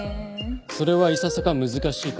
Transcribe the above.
それはいささか難しいかと。